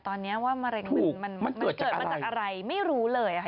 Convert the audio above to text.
ตอนนี้ว่ามะเร็งมันเกิดมาจากอะไรไม่รู้เลยค่ะ